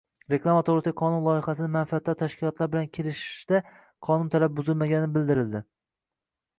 Reklama to‘g‘risidagi qonun loyihasini manfaatdor tashkilotlar bilan kelishishda qonun talabi buzilmagani bildirildi